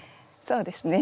そうですね。